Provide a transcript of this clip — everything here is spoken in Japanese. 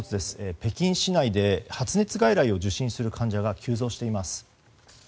北京市内で発熱外来を受診する患者が急増しています。